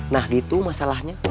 nah gitu masalahnya